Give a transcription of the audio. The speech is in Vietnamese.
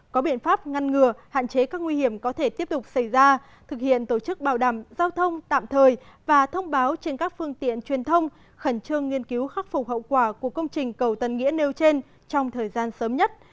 có biện pháp ngăn ngừa hạn chế các nguy hiểm có thể tiếp tục xảy ra thực hiện tổ chức bảo đảm giao thông tạm thời và thông báo trên các phương tiện truyền thông khẩn trương nghiên cứu khắc phục hậu quả của công trình cầu tân nghĩa nêu trên trong thời gian sớm nhất